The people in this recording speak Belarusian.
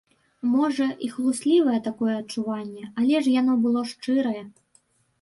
Можа, і хлуслівае такое адчуванне, але ж яно было шчырае.